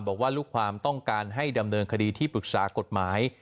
บอกว่าลูกความต้องการให้ดำเนินคดีที่ปรึกษากฎหมาย